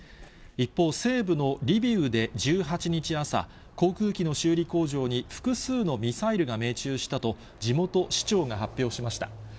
一方、西部のリビウで１８日朝、航空機の修理工場に複数のミサイルが命中したと、地元市長が発表しました。